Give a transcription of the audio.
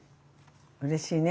うれしいね。